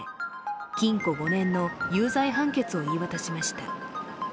禁錮４年の有罪判決を言い渡しました。